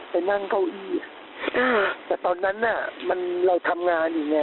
ไปนั่งเก้าอี้อ่าแต่ตอนนั้นน่ะมันเราทำงานอยู่ไง